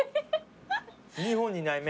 日本にない麺。